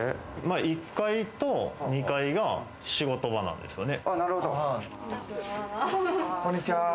１階と２階が仕事場なんですよね。